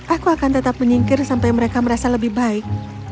aku akan tetap menyingkir sampai mereka merasa lebih baik